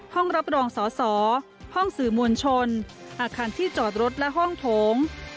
ห้องรับรองสอสอห้องสื่อมวลชนอาคารที่จอดรถและห้องโถง